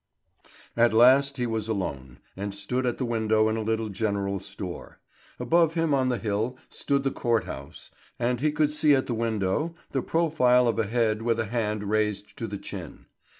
At last he was alone, and stood at the window in a little general store. Above him on the hill stood the court house, and he could see at the window the profile of a head with a hand raised to the chin.